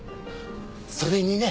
それにね